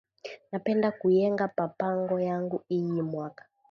Napenda kuyenga pa pango yangu iyi mwaka